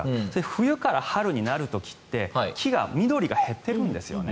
冬から春になる時って木が緑が減ってるんですよね。